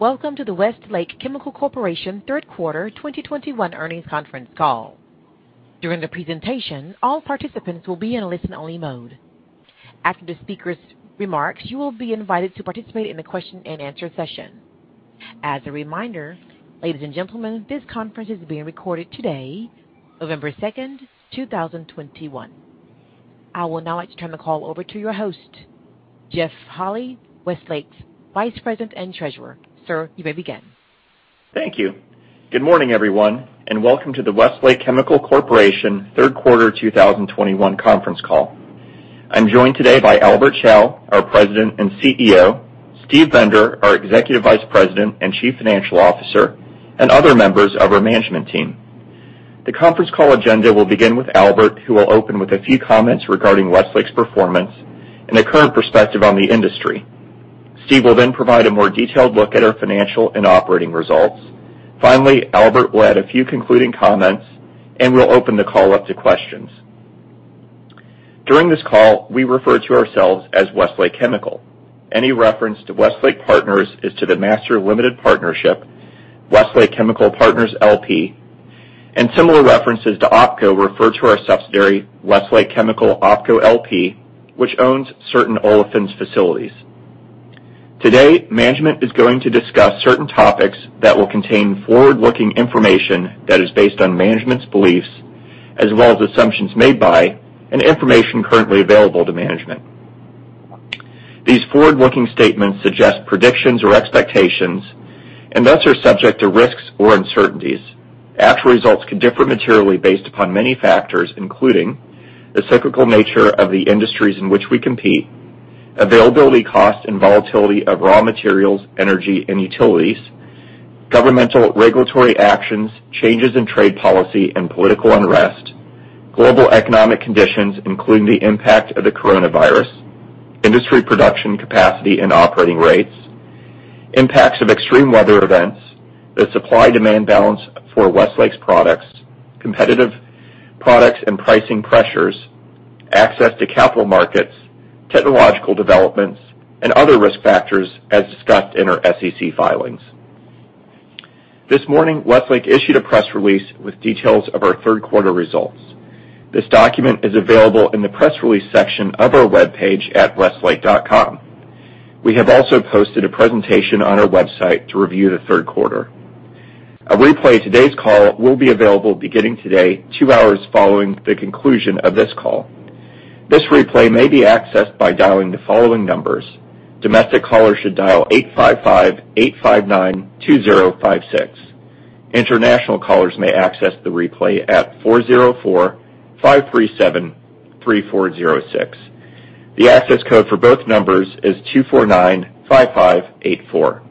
Welcome to the Westlake Chemical Corporation Q3 2021 earnings conference call. During the presentation, all participants will be in a listen-only mode. After the speaker's remarks, you will be invited to participate in a question-and-answer session. As a reminder, ladies and gentlemen, this conference is being recorded today, November 2, 2021. I would now like to turn the call over to your host, Jeff Holy, Westlake's Vice President and Treasurer. Sir, you may begin. Thank you. Good morning, everyone, and welcome to the Westlake Chemical Corporation Q3 2021 conference call. I'm joined today by Albert Chao, our President and CEO, Steve Bender, our Executive Vice President and Chief Financial Officer, and other members of our management team. The conference call agenda will begin with Albert, who will open with a few comments regarding Westlake's performance and a current perspective on the industry. Steve will then provide a more detailed look at our financial and operating results. Finally, Albert will add a few concluding comments, and we'll open the call up to questions. During this call, we refer to ourselves as Westlake Chemical. Any reference to Westlake Partners is to the master limited partnership, Westlake Chemical Partners, LP, and similar references to OpCo refer to our subsidiary, Westlake Chemical OpCo LP, which owns certain olefins facilities. Today, management is going to discuss certain topics that will contain forward-looking information that is based on management's beliefs as well as assumptions made by and information currently available to management. These forward-looking statements suggest predictions or expectations and thus are subject to risks or uncertainties. Actual results could differ materially based upon many factors, including the cyclical nature of the industries in which we compete, availability, cost, and volatility of raw materials, energy and utilities, governmental regulatory actions, changes in trade policy and political unrest, global economic conditions, including the impact of the coronavirus, industry production capacity and operating rates, impacts of extreme weather events, the supply-demand balance for Westlake's products, competitive products and pricing pressures, access to capital markets, technological developments, and other risk factors as discussed in our SEC filings. This morning, Westlake issued a press release with details of our Q3 results. This document is available in the press release section of our webpage at westlake.com. We have also posted a presentation on our website to review the Q3. A replay of today's call will be available beginning today, two hours following the conclusion of this call. This replay may be accessed by dialing the following numbers. Domestic callers should dial 855-859-2056. International callers may access the replay at 404-537-3406. The access code for both numbers is 249-5584.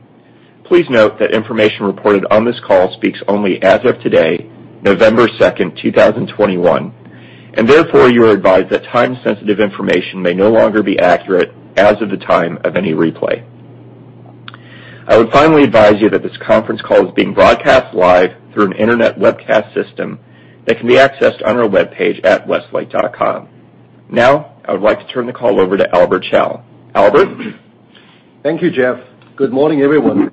Please note that information reported on this call speaks only as of today, November 2, 2021, and therefore you are advised that time-sensitive information may no longer be accurate as of the time of any replay. I would finally advise you that this conference call is being broadcast live through an internet webcast system that can be accessed on our webpage at westlake.com. Now, I would like to turn the call over to Albert Chao. Albert? Thank you, Jeff Holy. Good morning, everyone.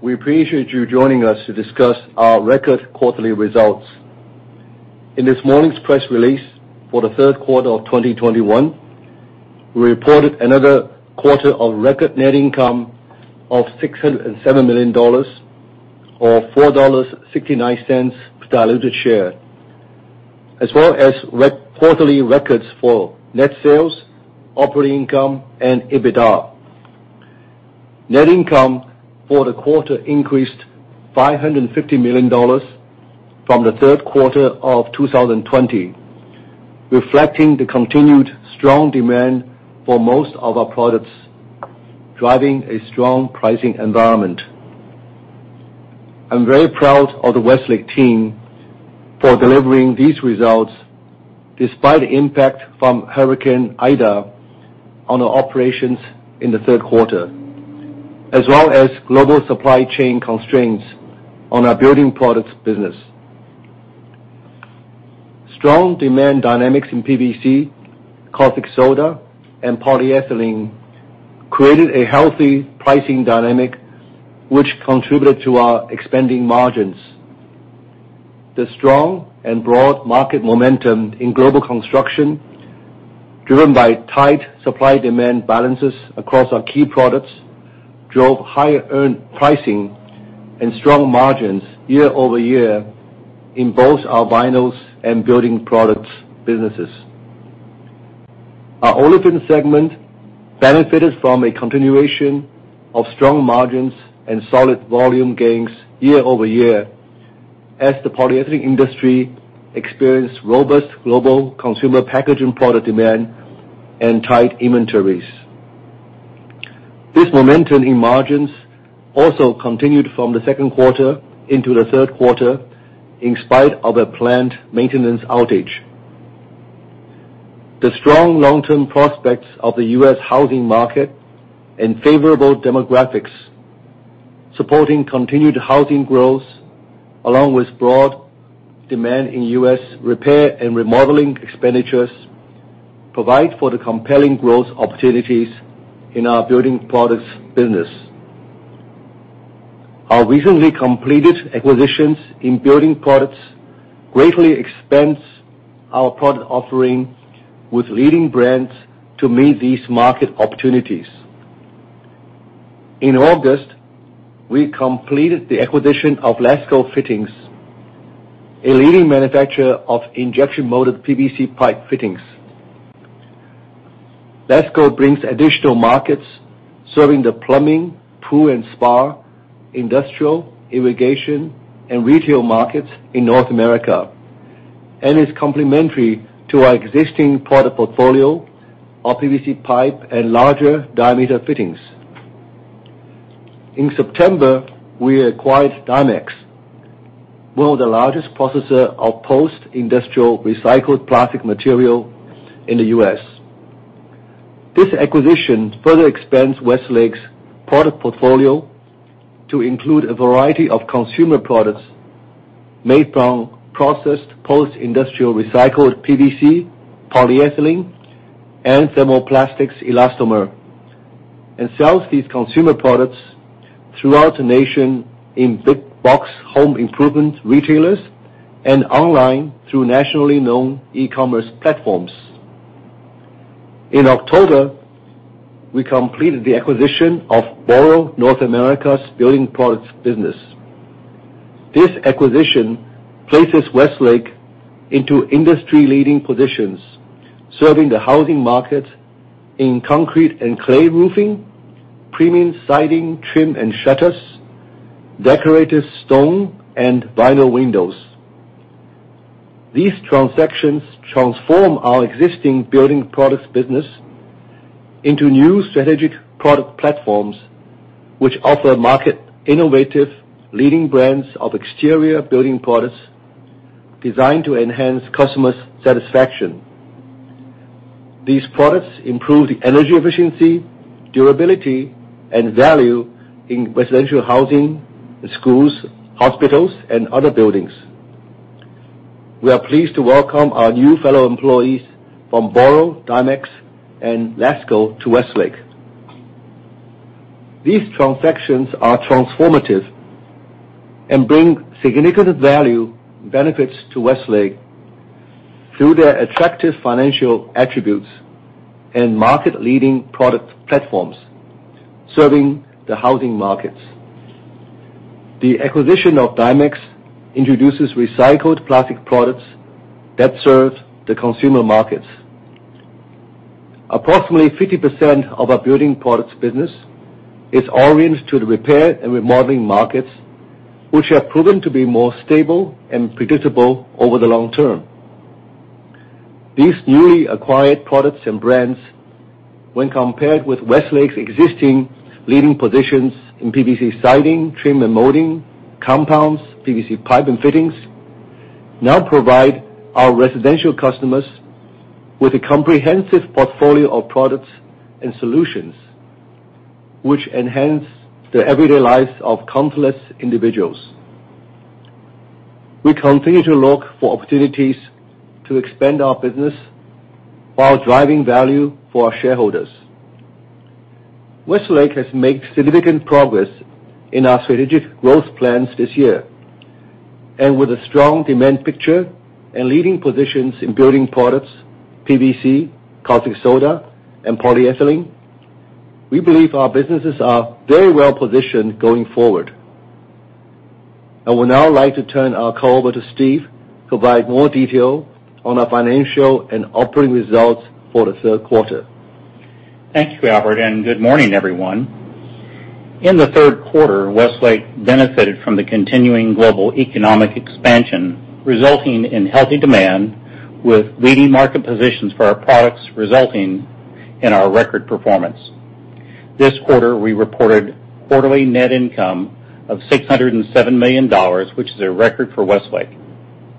We appreciate you joining us to discuss our record quarterly results. In this morning's press release for the Q3 of 2021, we reported another quarter of record net income of $607 million or $4.69 per diluted share, as well as record quarterly records for net sales, operating income and EBITDA. Net income for the quarter increased $550 million from the Q3 of 2020, reflecting the continued strong demand for most of our products, driving a strong pricing environment. I'm very proud of the Westlake team for delivering these results despite the impact from Hurricane Ida on our operations in the Q3, as well as global supply chain constraints on our building products business. Strong demand dynamics in PVC, caustic soda and polyethylene created a healthy pricing dynamic, which contributed to our expanding margins. The strong and broad market momentum in global construction, driven by tight supply-demand balances across our key products, drove higher pricing and strong margins year-over-year in both our vinyls and building products businesses. Our olefin segment benefited from a continuation of strong margins and solid volume gains year-over-year as the polyethylene industry experienced robust global consumer packaging product demand and tight inventories. This momentum in margins also continued from the Q2 into the Q3 in spite of a plant maintenance outage. The strong long-term prospects of the U.S. housing market and favorable demographics supporting continued housing growth, along with broad demand in U.S. repair and remodeling expenditures provide for the compelling growth opportunities in our building products business. Our recently completed acquisitions in building products greatly expand our product offering with leading brands to meet these market opportunities. In August, we completed the acquisition of LASCO Fittings, a leading manufacturer of injection molded PVC pipe fittings. LASCO brings additional markets serving the plumbing, pool and spa, industrial, irrigation, and retail markets in North America, and is complementary to our existing product portfolio of PVC pipe and larger diameter fittings. In September, we acquired Dimex, one of the largest processors of post-industrial recycled plastic material in the U.S. This acquisition further expands Westlake's product portfolio to include a variety of consumer products made from processed post-industrial recycled PVC, polyethylene, and thermoplastic elastomer, and sells these consumer products throughout the nation in big box home improvement retailers and online through nationally known e-commerce platforms. In October, we completed the acquisition of Boral North America's building products business. This acquisition places Westlake into industry-leading positions, serving the housing market in concrete and clay roofing, premium siding, trim and shutters, decorative stone and vinyl windows. These transactions transform our existing building products business into new strategic product platforms, which offer market innovative leading brands of exterior building products designed to enhance customers' satisfaction. These products improve the energy efficiency, durability, and value in residential housing, schools, hospitals, and other buildings. We are pleased to welcome our new fellow employees from Boral, Dimex, and LASCO to Westlake. These transactions are transformative and bring significant value benefits to Westlake through their attractive financial attributes and market-leading product platforms serving the housing markets. The acquisition of Dimex introduces recycled plastic products that serve the consumer markets. Approximately 50% of our building products business is oriented to the repair and remodeling markets, which have proven to be more stable and predictable over the long term. These newly acquired products and brands, when compared with Westlake's existing leading positions in PVC siding, trim and molding, compounds, PVC pipe and fittings, now provide our residential customers with a comprehensive portfolio of products and solutions which enhance the everyday lives of countless individuals. We continue to look for opportunities to expand our business while driving value for our shareholders. Westlake has made significant progress in our strategic growth plans this year. With a strong demand picture and leading positions in building products, PVC, caustic soda, and polyethylene, we believe our businesses are very well positioned going forward. I would now like to turn our call over to Steve to provide more detail on our financial and operating results for the Q3. Thank you Albert and good morning everyone. In the Q3, Westlake benefited from the continuing global economic expansion, resulting in healthy demand with leading market positions for our products resulting in our record performance. This quarter, we reported quarterly net income of $607 million, which is a record for Westlake.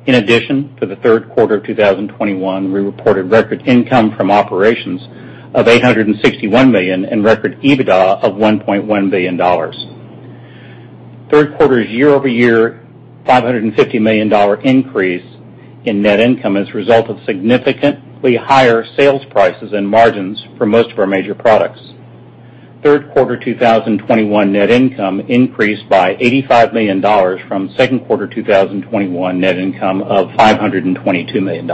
In addition, for the Q3 of 2021, we reported record income from operations of $861 million and record EBITDA of $1.1 billion. Q3's year-over-year, $550 million dollar increase in net income is a result of significantly higher sales prices and margins for most of our major products. Q3 2021 net income increased by $85 million from Q2 2021 net income of $522 million.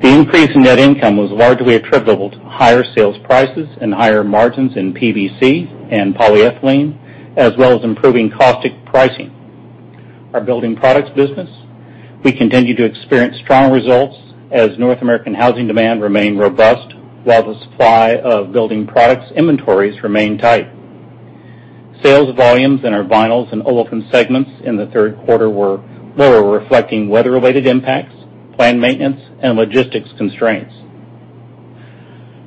The increase in net income was largely attributable to higher sales prices and higher margins in PVC and polyethylene, as well as improving caustic pricing. Our building products business, we continue to experience strong results as North American housing demand remain robust while the supply of building products inventories remain tight. Sales volumes in our Vinyls and Olefins segments in the Q3 were lower, reflecting weather-related impacts, planned maintenance, and logistics constraints.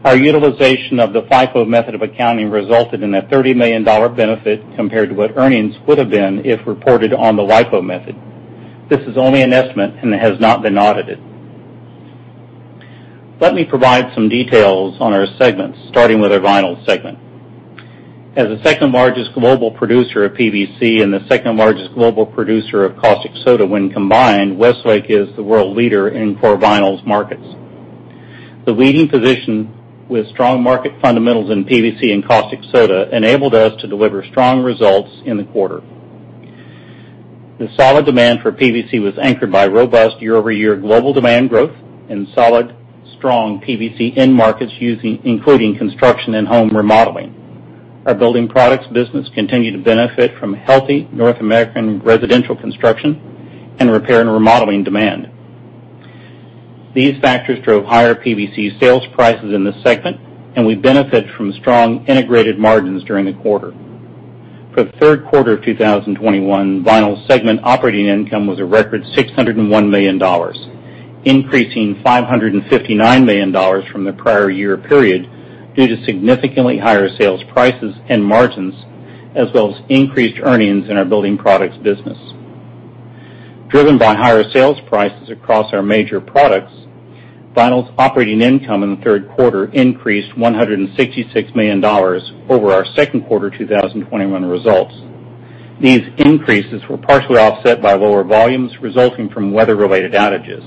Our utilization of the FIFO method of accounting resulted in a $30 million benefit compared to what earnings would have been if reported on the LIFO method. This is only an estimate and has not been audited. Let me provide some details on our segments, starting with our Vinyls segment. As the second largest global producer of PVC and the second largest global producer of caustic soda when combined, Westlake is the world leader in core vinyls markets. The leading position with strong market fundamentals in PVC and caustic soda enabled us to deliver strong results in the quarter. The solid demand for PVC was anchored by robust year-over-year global demand growth and solid, strong PVC end markets including construction and home remodeling. Our building products business continued to benefit from healthy North American residential construction and repair and remodeling demand. These factors drove higher PVC sales prices in the segment, and we benefit from strong integrated margins during the quarter. For the Q3 of 2021, Vinyl segment operating income was a record $601 million, increasing $559 million from the prior year period due to significantly higher sales prices and margins, as well as increased earnings in our building products business. Driven by higher sales prices across our major products, Vinyl's operating income in the Q3 increased $166 million over our Q2 2021 results. These increases were partially offset by lower volumes resulting from weather-related outages.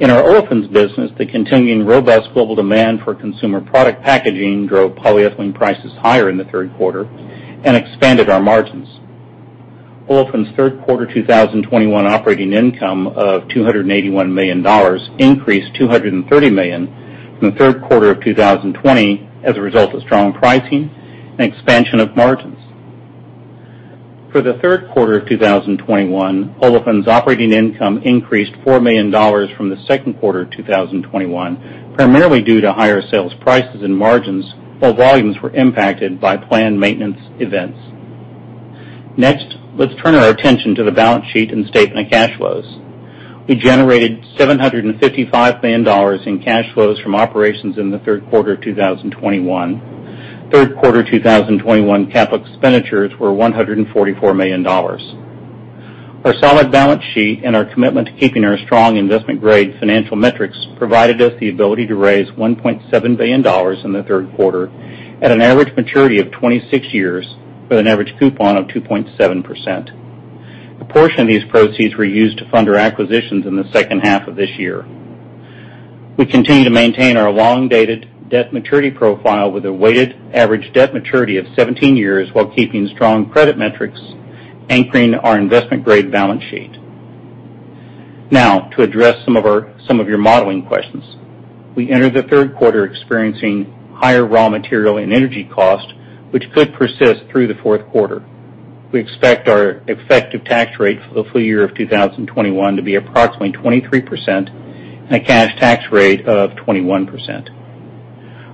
In our Olefins business, the continuing robust global demand for consumer product packaging drove polyethylene prices higher in the Q3 and expanded our margins. Olefins' Q3 2021 operating income of $281 million increased $230 million from the Q3 of 2020 as a result of strong pricing and expansion of margins. For the Q3 of 2021, Olefins' operating income increased $4 million from the Q2 of 2021, primarily due to higher sales prices and margins, while volumes were impacted by planned maintenance events. Next, let's turn our attention to the balance sheet and statement of cash flows. We generated $755 million in cash flows from operations in the Q3 of 2021. Q3 2021 capital expenditures were $144 million. Our solid balance sheet and our commitment to keeping our strong investment-grade financial metrics provided us the ability to raise $1.7 billion in the Q3 at an average maturity of 26 years with an average coupon of 2.7%. A portion of these proceeds were used to fund our acquisitions in the second half of this year. We continue to maintain our long-dated debt maturity profile with a weighted average debt maturity of 17 years while keeping strong credit metrics anchoring our investment-grade balance sheet. Now, to address some of your modeling questions. We entered the Q3 experiencing higher raw material and energy cost, which could persist through the Q4. We expect our effective tax rate for the full year of 2021 to be approximately 23% and a cash tax rate of 21%.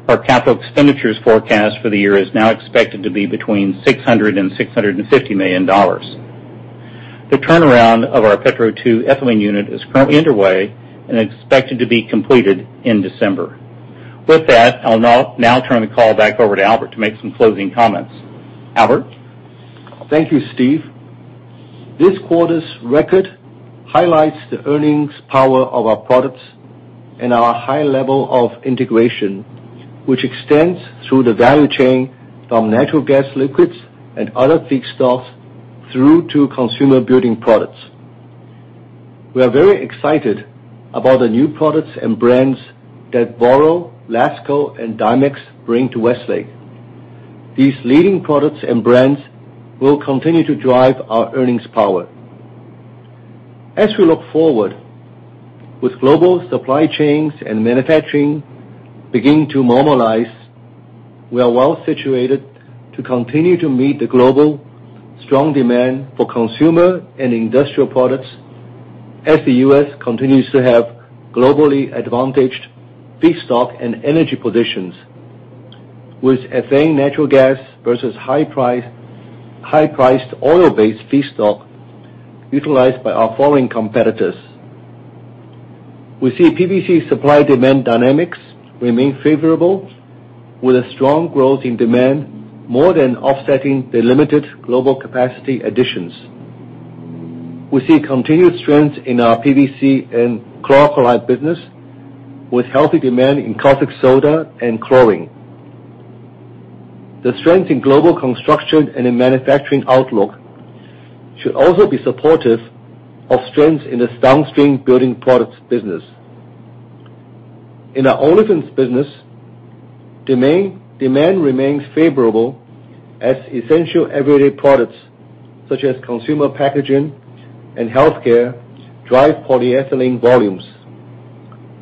Our capital expenditures forecast for the year is now expected to be between $600 million and $650 million. The turnaround of our Petro 2 ethylene unit is currently underway and expected to be completed in December. With that, I'll now turn the call back over to Albert to make some closing comments. Albert? Thank you, Steve. This quarter's record highlights the earnings power of our products and our high level of integration, which extends through the value chain from natural gas liquids and other feedstocks through to consumer building products. We are very excited about the new products and brands that Boral, LASCO, and Dimex bring to Westlake. These leading products and brands will continue to drive our earnings power. As we look forward, with global supply chains and manufacturing beginning to normalize, we are well situated to continue to meet the global strong demand for consumer and industrial products as the U.S. continues to have globally advantaged feedstock and energy positions with ethane natural gas versus high-priced oil-based feedstock utilized by our foreign competitors. We see PVC supply-demand dynamics remain favorable with a strong growth in demand more than offsetting the limited global capacity additions. We see continued strength in our PVC and chlor-alkali business with healthy demand in caustic soda and chlorine. The strength in global construction and in manufacturing outlook should also be supportive of strength in the downstream building products business. In our Olefins business, demand remains favorable as essential everyday products such as consumer packaging and healthcare drive polyethylene volumes.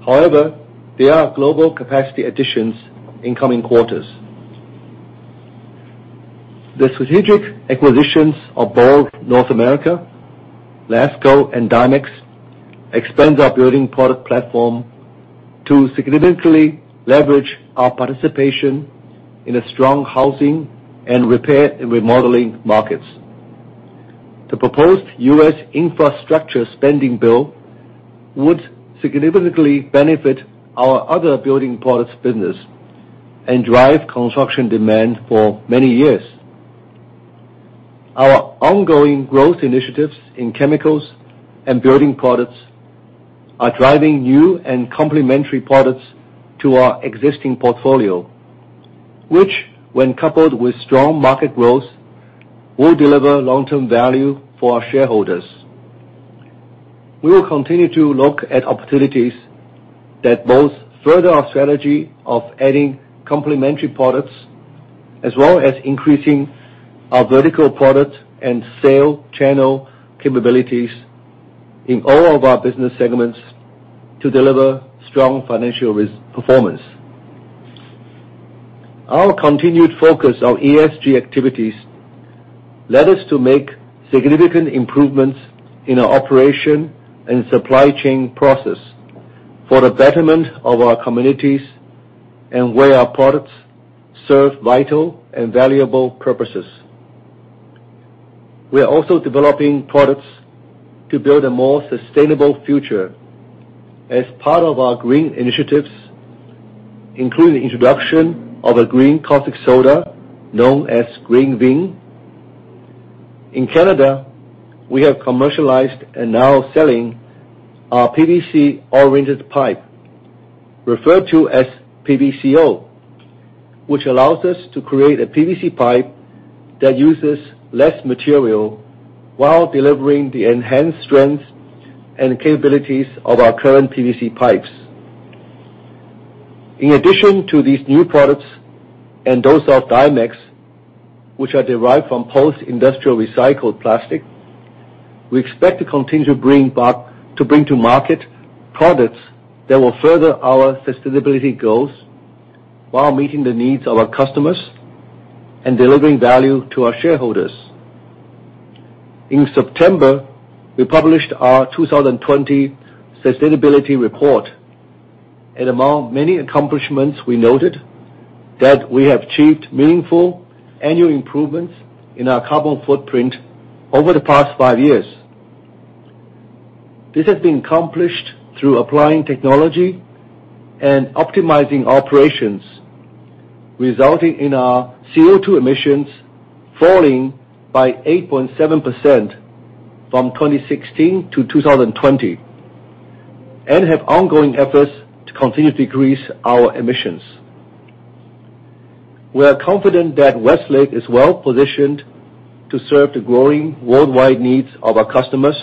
However, there are global capacity additions in coming quarters. The strategic acquisitions of Boral North America, LASCO, and Dimex expands our building product platform to significantly leverage our participation in a strong housing and repair and remodeling markets. The proposed U.S. infrastructure spending bill would significantly benefit our other building products business and drive construction demand for many years. Our ongoing growth initiatives in chemicals and building products are driving new and complementary products to our existing portfolio, which when coupled with strong market growth, will deliver long-term value for our shareholders. We will continue to look at opportunities that both further our strategy of adding complementary products, as well as increasing our vertical product and sale channel capabilities in all of our business segments to deliver strong financial performance. Our continued focus on ESG activities led us to make significant improvements in our operation and supply chain process for the betterment of our communities and where our products serve vital and valuable purposes. We are also developing products to build a more sustainable future as part of our green initiatives, including the introduction of a green caustic soda known as GreenVin. In Canada, we have commercialized and now selling our PVC oriented pipe, referred to as PVCO, which allows us to create a PVC pipe that uses less material while delivering the enhanced strengths and capabilities of our current PVC pipes. In addition to these new products and those of Dimex, which are derived from post-industrial recycled plastic, we expect to continue to bring to market products that will further our sustainability goals while meeting the needs of our customers and delivering value to our shareholders. In September, we published our 2020 sustainability report. Among many accomplishments, we noted that we have achieved meaningful annual improvements in our carbon footprint over the past 5 years. This has been accomplished through applying technology and optimizing operations, resulting in our CO2 emissions falling by 8.7% from 2016-2020, and have ongoing efforts to continue to decrease our emissions. We are confident that Westlake is well positioned to serve the growing worldwide needs of our customers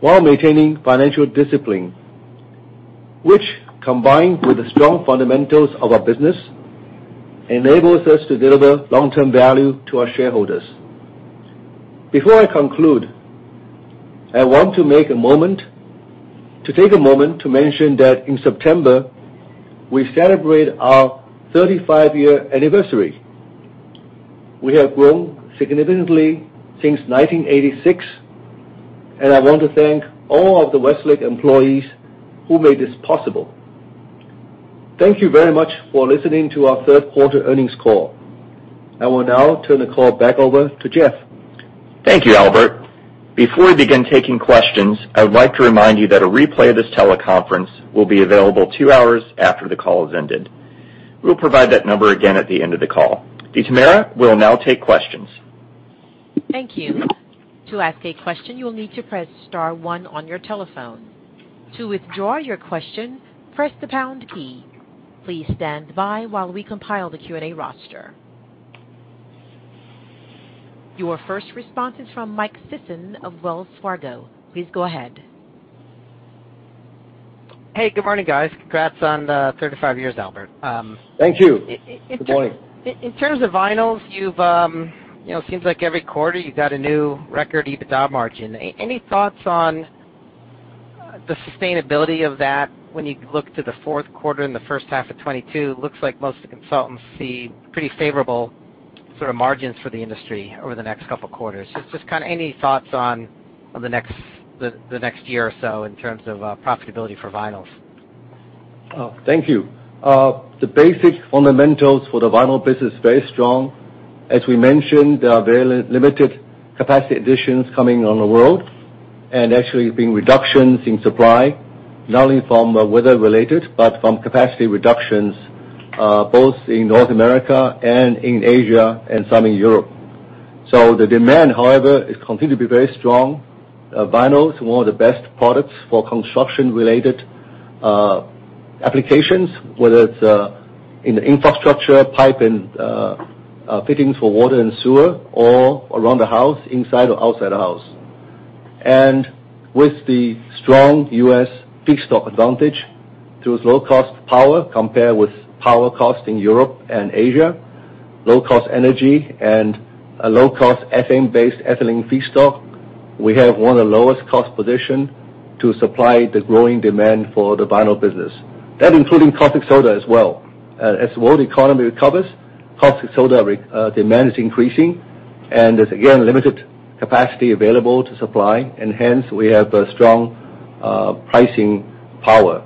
while maintaining financial discipline, which, combined with the strong fundamentals of our business, enables us to deliver long-term value to our shareholders. Before I conclude, I want to take a moment to mention that in September, we celebrate our 35-year anniversary. We have grown significantly since 1986, and I want to thank all of the Westlake employees who made this possible. Thank you very much for listening to our Q3 earnings call. I will now turn the call back over to Jeff. Thank you, Albert. Before we begin taking questions, I'd like to remind you that a replay of this teleconference will be available two hours after the call is ended. We'll provide that number again at the end of the call. Tamara will now take questions. Thank you. To ask a question, you'll need to press star one on your telephone. To withdraw your question, press the pound key. Please stand by while we compile the Q&A roster. Your first response is from Michael Sison of Wells Fargo. Please go ahead. Hey, good morning, guys. Congrats on the 35 years, Albert. Thank you. Good morning. In terms of vinyls, you've, you know, seems like every quarter you got a new record EBITDA margin. Any thoughts on the sustainability of that when you look to the Q4 and the first half of 2022? Looks like most of the consultants see pretty favorable sort of margins for the industry over the next couple quarters. Just kinda any thoughts on the next year or so in terms of profitability for vinyls? Thank you. The basic fundamentals for the vinyl business is very strong. As we mentioned, there are very limited capacity additions coming online worldwide, and there have actually been reductions in supply, not only from the weather-related, but from capacity reductions, both in North America and in Asia and some in Europe. The demand, however, is continued to be very strong. Vinyl is one of the best products for construction-related applications, whether it's in the infrastructure pipe and fittings for water and sewer or around the house, inside or outside the house. With the strong U.S. feedstock advantage, through its low-cost power compared with power cost in Europe and Asia, low-cost energy and a low-cost ethane-based ethylene feedstock, we have one of the lowest-cost position to supply the growing demand for the vinyl business. That including caustic soda as well. As world economy recovers, caustic soda demand is increasing, and there's, again, limited capacity available to supply, and hence we have a strong pricing power.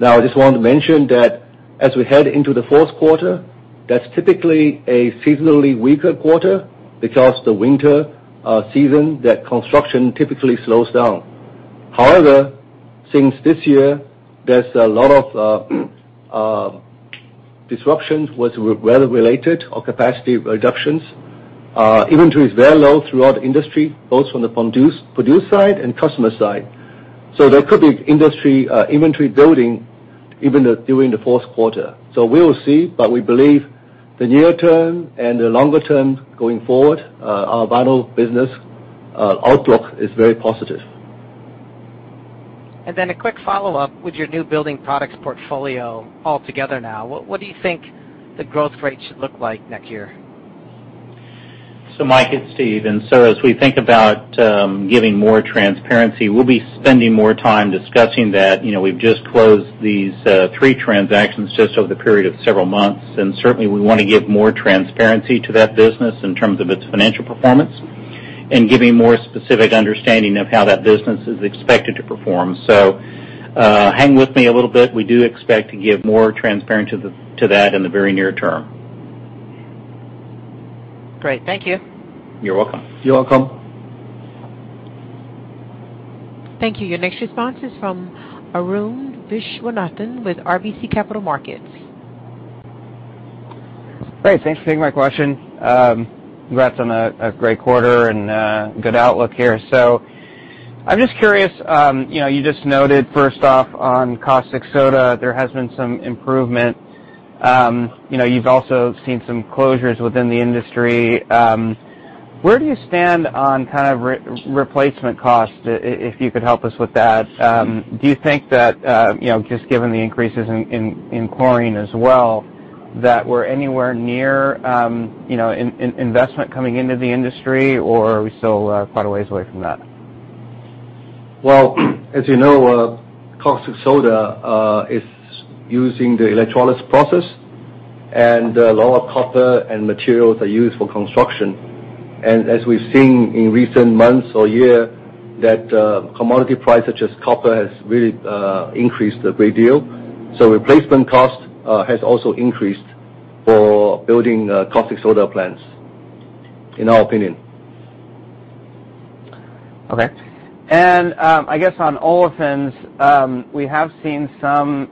Now, I just want to mention that as we head into the Q4, that's typically a seasonally weaker quarter because the winter season, construction typically slows down. However, since this year, there's a lot of disruptions, whether weather related or capacity reductions. Inventory is very low throughout the industry, both from the producer side and customer side. There could be industry inventory building even during the Q4. We will see, but we believe the near term and the longer term going forward, our vinyl business outlook is very positive. A quick follow-up. With your new building products portfolio altogether now, what do you think the growth rate should look like next year? Mike, it's Steve. As we think about giving more transparency, we'll be spending more time discussing that. You know, we've just closed these three transactions just over the period of several months, and certainly we wanna give more transparency to that business in terms of its financial performance and giving more specific understanding of how that business is expected to perform. Hang with me a little bit. We do expect to give more transparency to that in the very near term. Great. Thank you. You're welcome. You're welcome. Thank you. Your next response is from Arun Viswanathan with RBC Capital Markets. Great. Thanks for taking my question. Congrats on a great quarter and good outlook here. I'm just curious, you know, you just noted first off on caustic soda, there has been some improvement. You know, you've also seen some closures within the industry. Where do you stand on kind of replacement costs, if you could help us with that? Do you think that, you know, just given the increases in chlorine as well, that we're anywhere near, you know, investment coming into the industry, or are we still quite a ways away from that? Well, as you know, caustic soda is using the electrolysis process, and a lot of copper and materials are used for construction. As we've seen in recent months or year, that commodity prices, such as copper, has really increased a great deal. Replacement cost has also increased for building caustic soda plants, in our opinion. Okay. I guess on olefins, we have seen some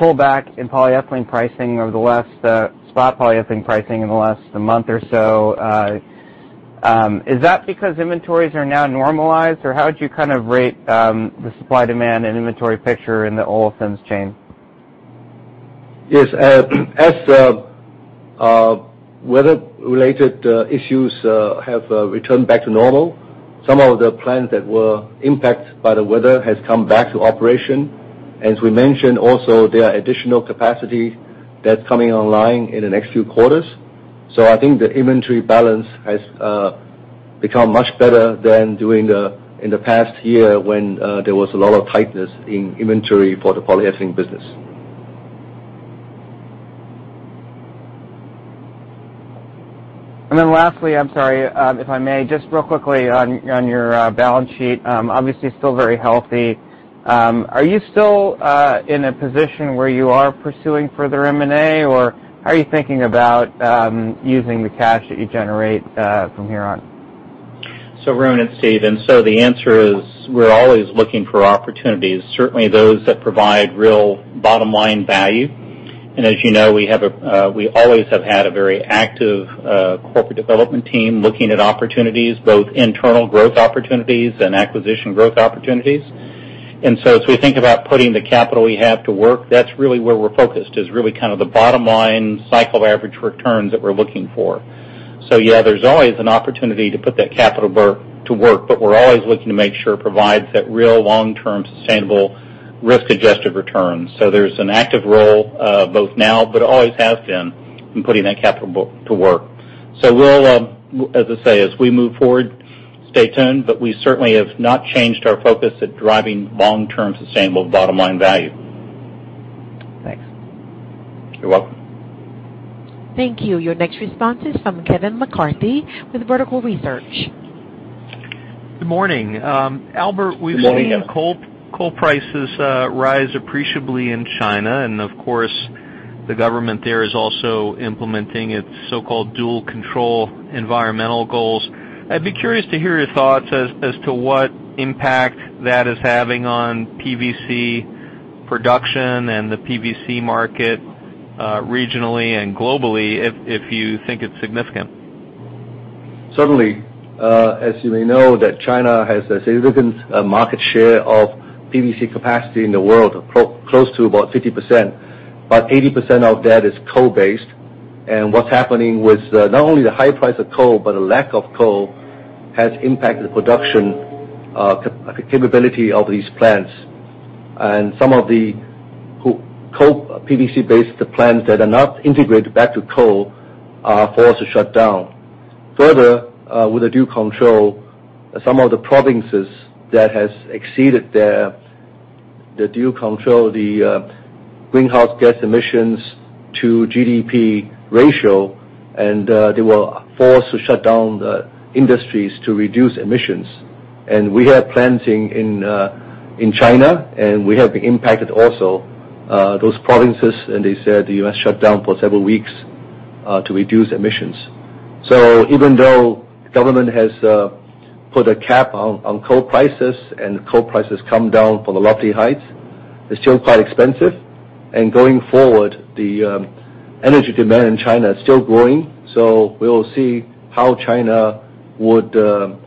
pullback in spot polyethylene pricing over the last month or so. Is that because inventories are now normalized, or how would you kind of rate the supply, demand, and inventory picture in the olefins chain? Yes. As weather related issues have returned back to normal, some of the plants that were impacted by the weather has come back to operation. As we mentioned also, there are additional capacity that's coming online in the next few quarters. I think the inventory balance has become much better than in the past year when there was a lot of tightness in inventory for the polyethylene business. I'm sorry, if I may, just real quickly on your balance sheet, obviously still very healthy. Are you still in a position where you are pursuing further M&A, or are you thinking about using the cash that you generate from here on? Arun, it's Steve. The answer is we're always looking for opportunities, certainly those that provide real bottom-line value. As you know, we always have had a very active corporate development team looking at opportunities, both internal growth opportunities and acquisition growth opportunities. As we think about putting the capital we have to work, that's really where we're focused, is really kind of the bottom-line cyclical average returns that we're looking for. Yeah, there's always an opportunity to put that capital to work, but we're always looking to make sure it provides that real long-term, sustainable, risk-adjusted returns. There's an active role both now, but always has been, in putting that capital to work. We'll, as I say, as we move forward, stay tuned, but we certainly have not changed our focus at driving long-term, sustainable bottom-line value. Thanks. You're welcome. Thank you. Your next response is from Kevin McCarthy with Vertical Research. Good morning. Good morning. We've seen coal prices rise appreciably in China, and of course, the government there is also implementing its so-called dual control environmental goals. I'd be curious to hear your thoughts as to what impact that is having on PVC production and the PVC market, regionally and globally, if you think it's significant. Certainly. As you may know, that China has a significant market share of PVC capacity in the world, close to about 50%, but 80% of that is coal-based. What's happening with not only the high price of coal, but a lack of coal, has impacted the production capability of these plants. Some of the coal, PVC-based plants that are not integrated back to coal are forced to shut down. Further, with the dual control, some of the provinces that has exceeded their dual control, the greenhouse gas emissions to GDP ratio, and they were forced to shut down the industries to reduce emissions. We have plants in China, and we have been impacted also, those provinces, and they said you must shut down for several weeks to reduce emissions. Even though government has put a cap on coal prices and coal prices come down from the lofty heights, it's still quite expensive. Going forward, the energy demand in China is still growing. We will see how China would control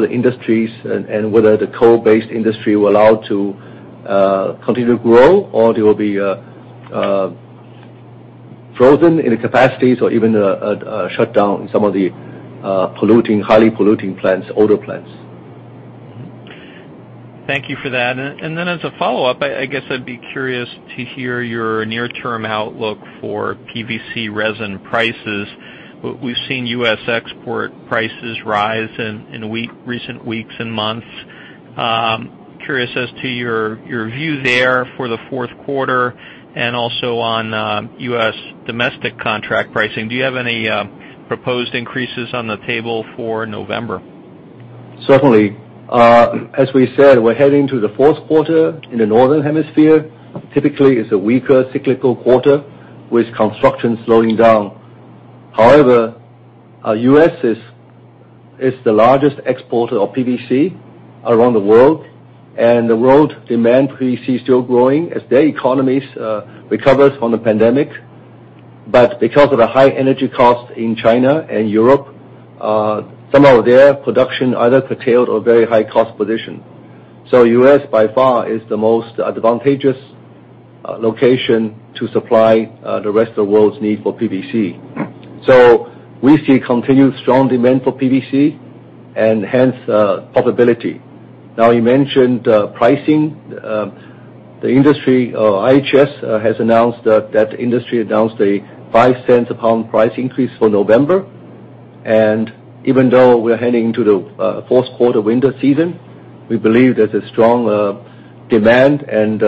the industries and whether the coal-based industry will allow to continue to grow or they will be frozen in the capacities or even shut down some of the polluting, highly polluting plants, older plants. Thank you for that. As a follow-up, I guess I'd be curious to hear your near-term outlook for PVC resin prices. We've seen U.S. export prices rise in recent weeks and months. I'm curious as to your view there for the Q4 and also on U.S. domestic contract pricing. Do you have any proposed increases on the table for November? Certainly. As we said, we're heading to the Q4 in the Northern Hemisphere. Typically, it's a weaker cyclical quarter with construction slowing down. However, U.S. is the largest exporter of PVC around the world, and the world demand PVC is still growing as their economies recovers from the pandemic. But because of the high energy cost in China and Europe, some of their production either curtailed or very high cost position. U.S., by far, is the most advantageous location to supply the rest of the world's need for PVC. We see continued strong demand for PVC and hence profitability. Now you mentioned pricing. The industry, IHS, has announced that industry announced a $0.05 a pound price increase for November. Even though we're heading into the Q4 winter season, we believe there's a strong demand and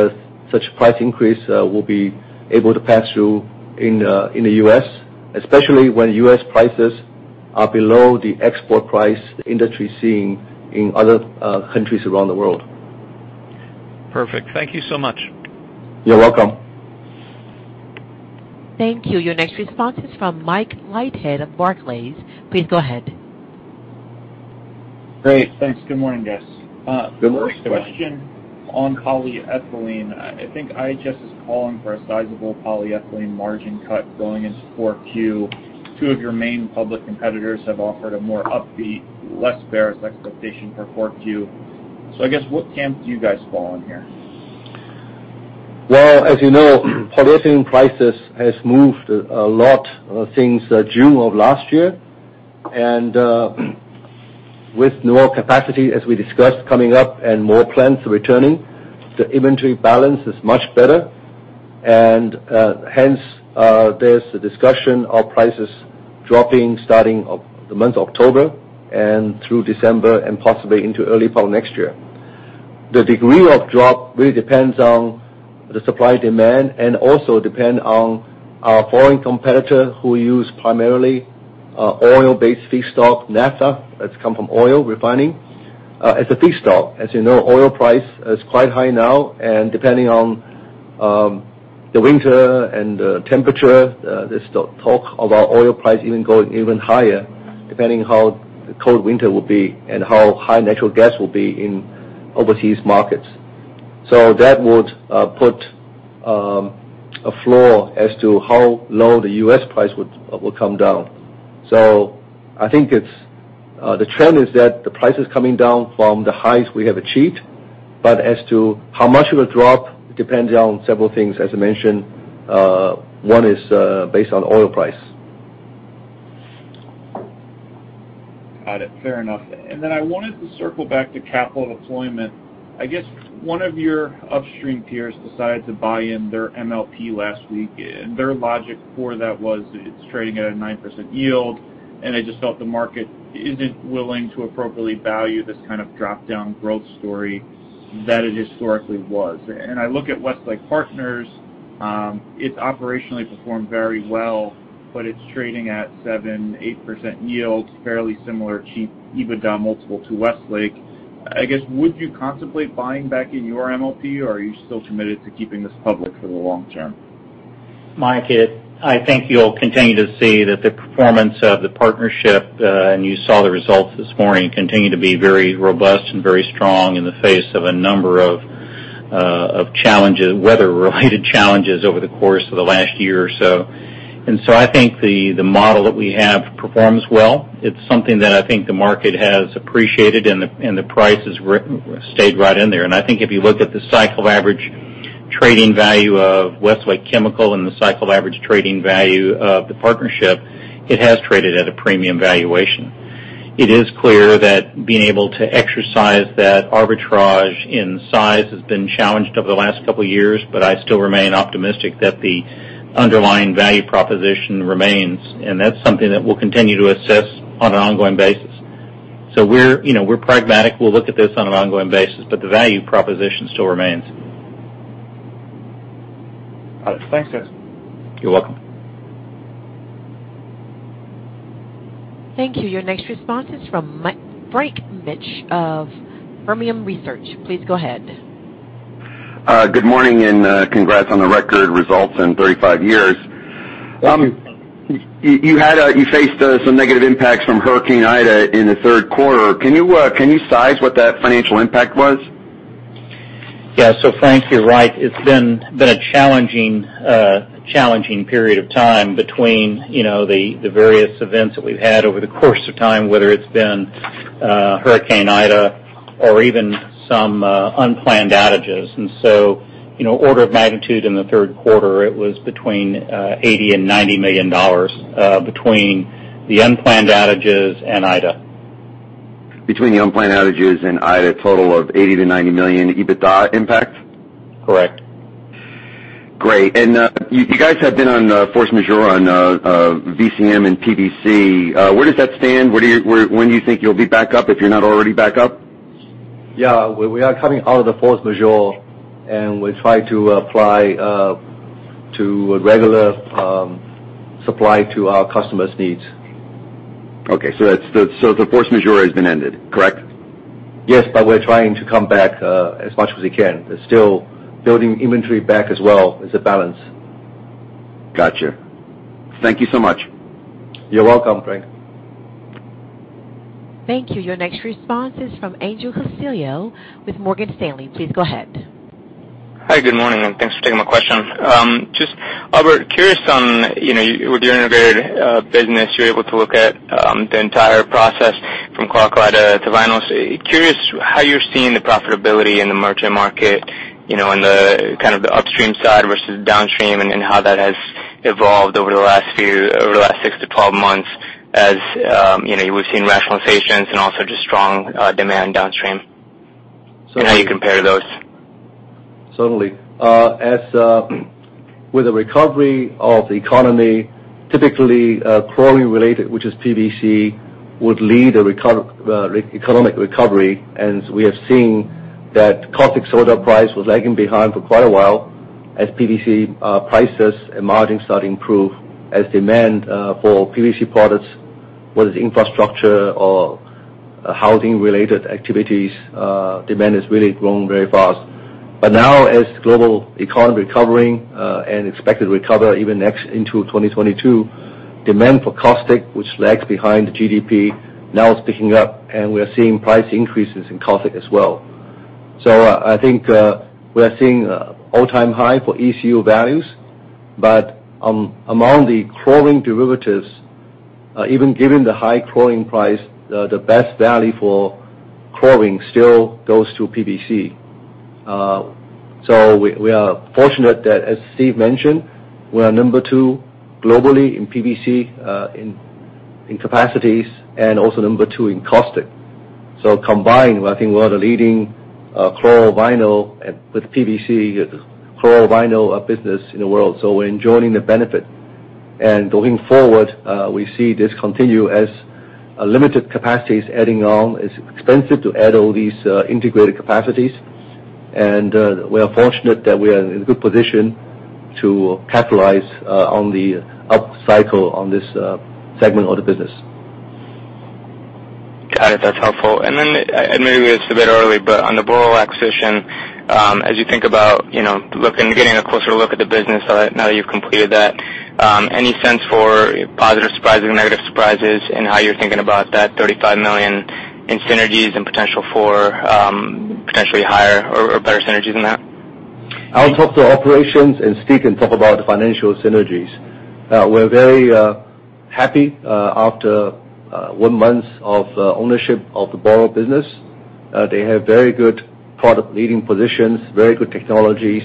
such price increase will be able to pass through in the U.S., especially when U.S. prices are below the export price the industry is seeing in other countries around the world. Perfect. Thank you so much. You're welcome. Thank you. Your next response is from Michael Leithead of Barclays. Please go ahead. Great. Thanks. Good morning, guys. Good morning. First question on polyethylene. I think IHS is calling for a sizable polyethylene margin cut going into Q4. Two of your main public competitors have offered a more upbeat, less bearish expectation for Q4. I guess, what camp do you guys fall in here? Well, as you know, polyethylene prices has moved a lot since June of last year. With more capacity, as we discussed, coming up and more plants returning, the inventory balance is much better. Hence, there's a discussion of prices dropping starting of the month October and through December and possibly into early part of next year. The degree of drop really depends on the supply and demand and also depend on our foreign competitor who use primarily oil-based feedstock, naphtha, that's come from oil refining as a feedstock. As you know, oil price is quite high now. Depending on the winter and the temperature, there's the talk about oil price going even higher, depending how the cold winter will be and how high natural gas will be in overseas markets. That would put a floor as to how low the U.S. price would come down. I think it's the trend is that the price is coming down from the highs we have achieved, but as to how much it will drop depends on several things, as I mentioned. One is based on oil price. Got it. Fair enough. I wanted to circle back to capital deployment. I guess one of your upstream peers decided to buy in their MLP last week, and their logic for that was it's trading at a 9% yield, and they just felt the market isn't willing to appropriately value this kind of drop-down growth story that it historically was. I look at Westlake Partners, it's operationally performed very well, but it's trading at 7%-8% yield, fairly similar cheap EBITDA multiple to Westlake. I guess, would you contemplate buying back in your MLP, or are you still committed to keeping this public for the long term? Mike, I think you'll continue to see that the performance of the partnership, and you saw the results this morning, continue to be very robust and very strong in the face of a number of challenges, weather-related challenges over the course of the last year or so. I think the model that we have performs well. It's something that I think the market has appreciated, and the price has stayed right in there. I think if you look at the cycle average trading value of Westlake Chemical and the cycle average trading value of the partnership, it has traded at a premium valuation. It is clear that being able to exercise that arbitrage in size has been challenged over the last couple of years, but I still remain optimistic that the underlying value proposition remains, and that's something that we'll continue to assess on an ongoing basis. We're, you know, we're pragmatic. We'll look at this on an ongoing basis, but the value proposition still remains. Got it. Thanks, guys. You're welcome. Thank you. Your next response is from Frank Mitsch of Fermium Research. Please go ahead. Good morning, and congrats on the record results in 35 years. You faced some negative impacts from Hurricane Ida in the Q3. Can you size what that financial impact was? Yeah. Frank, you're right. It's been a challenging period of time between, you know, the various events that we've had over the course of time, whether it's been Hurricane Ida or even some unplanned outages. You know, order of magnitude in the Q3, it was between $80 million and $90 million between the unplanned outages and Ida. Between the unplanned outages and Ida, a total of $80 million-$90 million EBITDA impact? Correct. Great. You guys have been on force majeure on VCM and PVC. Where does that stand? Where, when do you think you'll be back up if you're not already back up? Yeah, we are coming out of the force majeure, and we try to apply to regular supply to our customers' needs. Okay. The force majeure has been ended, correct? Yes, we're trying to come back, as much as we can. We're still building inventory back as well as a balance. Gotcha. Thank you so much. You're welcome, Frank. Thank you. Your next response is from Vincent Andrews with Morgan Stanley. Please go ahead. Hi, good morning, and thanks for taking my question. Just, Albert, curious on, you know, with your integrated business, you're able to look at the entire process from chlorine to vinyls. Curious how you're seeing the profitability in the merchant market, you know, in the kind of the upstream side versus downstream, and how that has evolved over the last six to twelve months as, you know, we've seen rationalizations and also just strong demand downstream. How you compare those. Certainly. As with the recovery of the economy, typically, chlorine related, which is PVC, would lead the economic recovery. We have seen that caustic soda price was lagging behind for quite a while as PVC prices and margins start to improve as demand for PVC products, whether it's infrastructure or housing related activities, demand has really grown very fast. Now, as global economy recovering and expected to recover even next into 2022, demand for caustic, which lags behind the GDP, now is picking up, and we are seeing price increases in caustic as well. I think we are seeing all-time high for ECU values. Among the chlorine derivatives, even given the high chlorine price, the best value for chlorine still goes to PVC. We are fortunate that, as Steve mentioned, we are number two globally in PVC, in capacities and also number two in caustic. Combined, I think we are the leading chlorovinyl with PVC, chlorovinyl business in the world. We're enjoying the benefit. Going forward, we see this continue as limited capacities adding on. It's expensive to add all these integrated capacities. We are fortunate that we are in a good position to capitalize on the upcycle on this segment of the business. Got it. That's helpful. Then maybe it's a bit early, but on the Boral acquisition, as you think about, you know, looking, getting a closer look at the business now that you've completed that, any sense for positive surprises, negative surprises, and how you're thinking about that $35 million in synergies and potential for, potentially higher or better synergies than that? I'll talk to operations, and Steve can talk about the financial synergies. We're very happy after one month of ownership of the Boral business. They have very good product leading positions, very good technologies,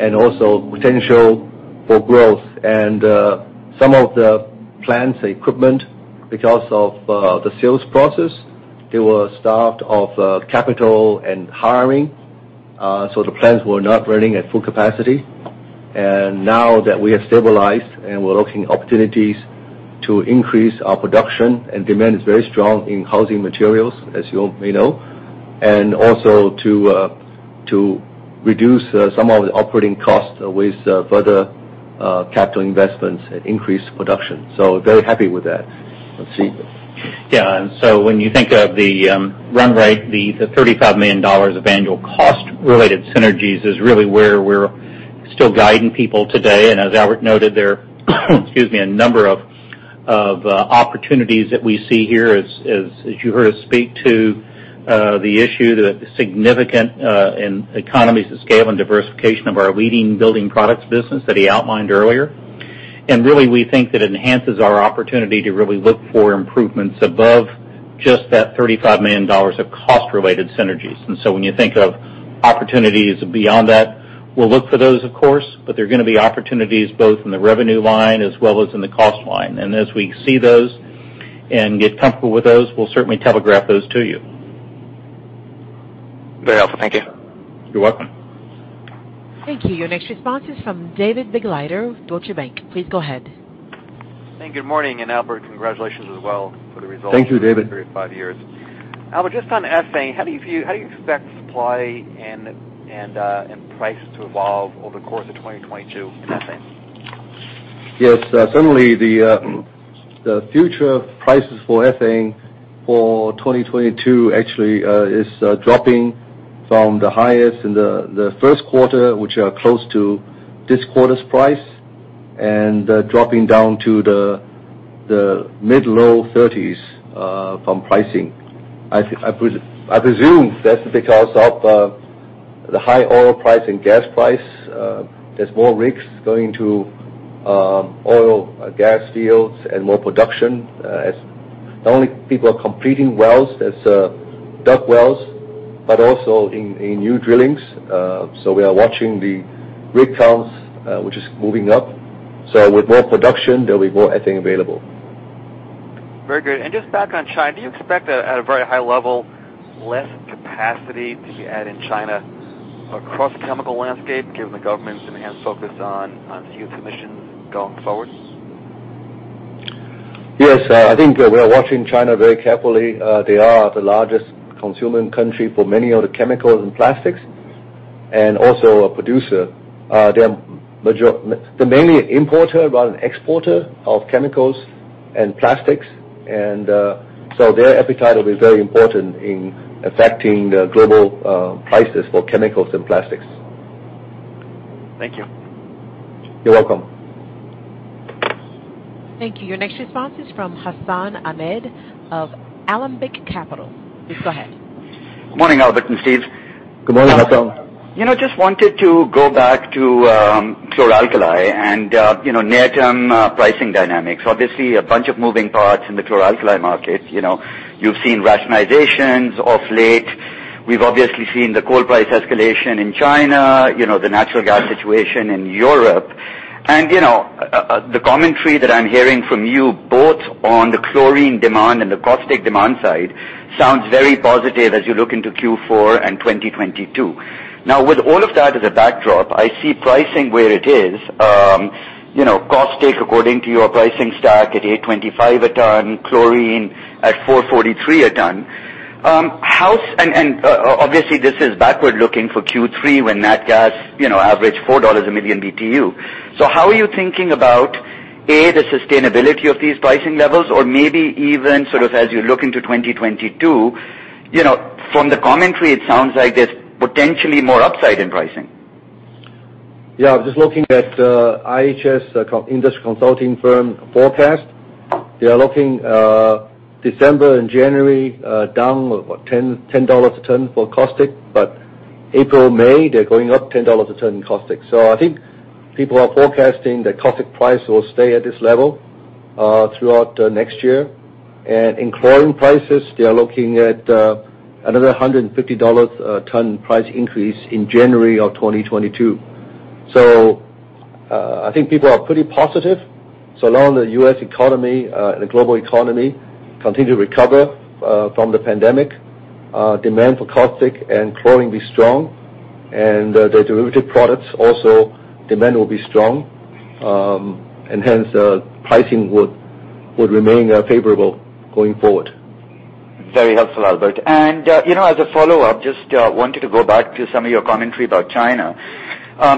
and also potential for growth. Some of the plants, the equipment, because of the sales process, they were starved of capital and hiring. The plants were not running at full capacity. Now that we have stabilized, and we're looking at opportunities to increase our production, and demand is very strong in housing materials, as you may know, and also to reduce some of the operating costs with further capital investments and increase production. Very happy with that. Steve. Yeah. When you think of the run rate, the $35 million of annual cost related synergies is really where we're still guiding people today. As Albert noted, there are, excuse me, a number of opportunities that we see here. As you heard us speak to the significant issue in economies of scale and diversification of our leading building products business that he outlined earlier. We think that enhances our opportunity to really look for improvements above just that $35 million of cost related synergies. When you think of opportunities beyond that, we'll look for those, of course, but there are gonna be opportunities both in the revenue line as well as in the cost line. As we see those and get comfortable with those, we'll certainly telegraph those to you. Very helpful. Thank you. You're welcome. Thank you. Your next response is from David Begleiter with Deutsche Bank. Please go ahead. Hey, good morning, and Albert, congratulations as well for the results. Thank you, David. in the last 35 years. Albert, just on ethane, how do you expect supply and price to evolve over the course of 2022 in ethane? Yes. Certainly the future prices for ethane for 2022 actually is dropping from the highest in the Q1, which are close to this quarter's price, and dropping down to the mid-low 30s from pricing. I presume that's because of the high oil price and gas price. There's more rigs going to oil and gas fields and more production as not only people are completing wells as DUC wells, but also in new drillings. We are watching the rig counts, which is moving up. With more production, there'll be more ethane available. Very good. Just back on China. Do you expect a, at a very high level, less capacity to be added in China across the chemical landscape, given the government's enhanced focus on CO2 emissions going forward? Yes. I think we are watching China very carefully. They are the largest consuming country for many of the chemicals and plastics, and also a producer. They're mainly an importer rather than exporter of chemicals and plastics. Their appetite will be very important in affecting the global prices for chemicals and plastics. Thank you. You're welcome. Thank you. Your next response is from Hassan Ahmed of Alembic Global Advisors. Please go ahead. Good morning Albert and Steve. Good morning Hassan. You know, just wanted to go back to chloralkali and, you know, near-term pricing dynamics. Obviously, a bunch of moving parts in the chloralkali market. You know, you've seen rationalizations of late. We've obviously seen the coal price escalation in China, you know, the natural gas situation in Europe. You know, the commentary that I'm hearing from you both on the chlorine demand and the caustic demand side sounds very positive as you look into Q4 and 2022. Now, with all of that as a backdrop, I see pricing where it is, you know, caustic, according to your pricing stack, at $825 a ton, chlorine at $443 a ton. Obviously, this is backward looking for Q3 when natural gas averaged $4 a MMBtu. How are you thinking about, A, the sustainability of these pricing levels or maybe even sort of as you look into 2022, you know, from the commentary, it sounds like there's potentially more upside in pricing? Yeah. I was just looking at IHS, an industry consulting firm forecast. They are looking December and January down $10 a ton for caustic, but April, May, they're going up $10 a ton in caustic. I think people are forecasting the caustic price will stay at this level throughout next year. In chlorine prices, they are looking at another $150 a ton price increase in January of 2022. I think people are pretty positive. As long as the U.S. economy, the global economy continue to recover from the pandemic, demand for caustic and chlorine will be strong. The derivative products also demand will be strong. Pricing would remain favorable going forward. Very helpful, Albert. You know, as a follow-up, just wanted to go back to some of your commentary about China.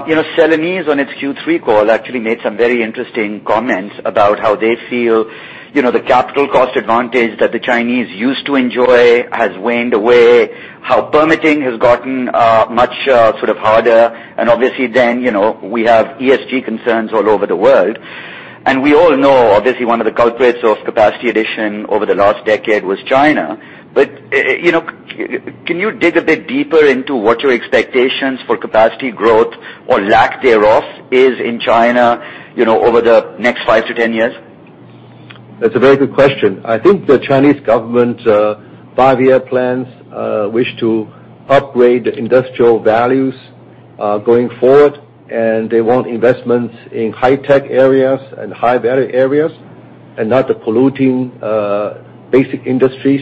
You know, Celanese on its Q3 call actually made some very interesting comments about how they feel, you know, the capital cost advantage that the Chinese used to enjoy has waned away, how permitting has gotten much sort of harder. Obviously, you know, we have ESG concerns all over the world. We all know obviously one of the culprits of capacity addition over the last decade was China. You know, can you dig a bit deeper into what your expectations for capacity growth or lack thereof is in China, you know, over the next 5-10 years? That's a very good question. I think the Chinese government five-year plans wish to upgrade the industrial values going forward, and they want investments in high-tech areas and high-value areas and not the polluting basic industries